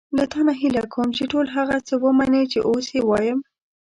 له تا نه هیله کوم چې ټول هغه څه ومنې چې اوس یې وایم.